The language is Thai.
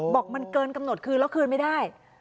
บอกมันเกินกำหนดคืนแล้วคืนไม่ได้